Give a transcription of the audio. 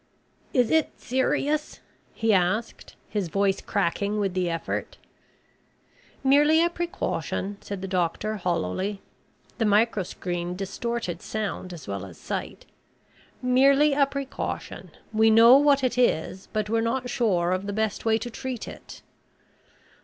"Is it serious?" he asked, his voice cracking with the effort. "Merely a precaution," said the doctor hollowly. The microscreen distorted sound as well as sight. "Merely a precaution. We know what it is, but we're not sure of the best way to treat it."